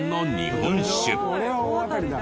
これは大当たりだ。